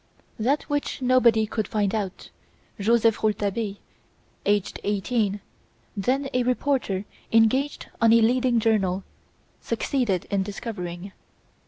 That which nobody could find out, Joseph Rouletabille, aged eighteen, then a reporter engaged on a leading journal, succeeded in discovering.